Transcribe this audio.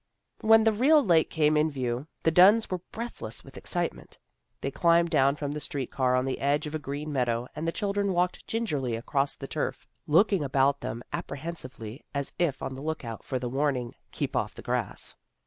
When the real lake came in view, the Dunns were breathless with excitement. They climbed down from the street car on the edge of a green meadow and the children walked gingerly across the turf, looking about them apprehensively, as if on the lookout for the warning, " Keep off the Grass."